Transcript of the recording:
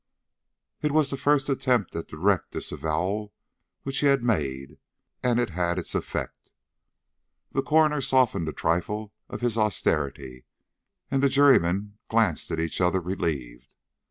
It was the first attempt at direct disavowal which he had made, and it had its effect. The coroner softened a trifle of his austerity, and the jurymen glanced at each other relieved.